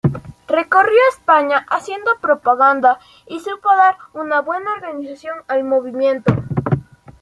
Recorrió España haciendo propaganda y supo dar una buena organización al movimiento.